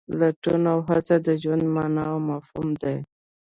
لټون او هڅه د ژوند مانا او مفهوم دی.